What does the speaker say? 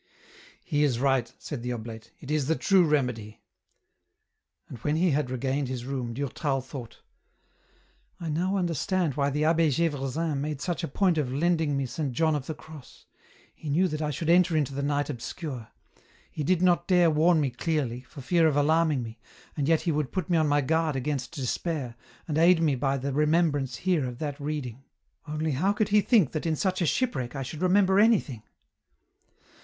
" He is right," said the oblate ;" it is the true remedy." And when he had regained his room, Durtal thought, " I now understand why the Abbe G6vresin made such a point of lending me Saint John of the Cross ; he knew that I should enter into the ' Night Obscure '; he did not dare warn me clearly, for fear of alarming me, and yet he would put me on my guard against despair, and aid me by the remembrance here of that reading. Only how could he think that in such a shipwreck I should remember anything